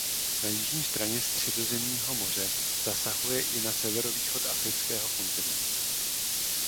Na jižní straně Středozemního moře zasahuje i na severovýchod Afrického kontinentu.